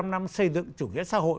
bảy mươi năm năm xây dựng chủ nghĩa xã hội